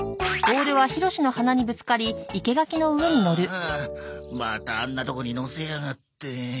ああまたあんなとこにのせやがって。